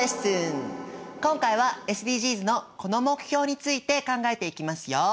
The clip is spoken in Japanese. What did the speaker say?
今回はＳＤＧｓのこの目標について考えていきますよ。